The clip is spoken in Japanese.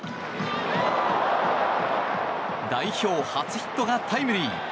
代表初ヒットがタイムリー！